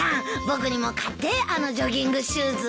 僕にも買ってあのジョギングシューズ。